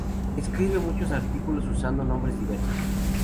Escribe muchísimos artículos usando nombres diversos.